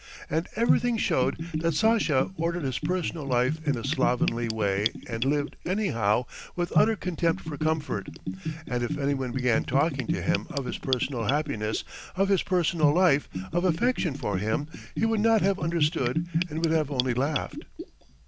And everything showed that Sasha ordered his personal life in a slovenly way and lived anyhow, with utter contempt for comfort, and if anyone began talking to him of his personal happiness, of his personal life, of affection for him, he would not have understood and would have only laughed.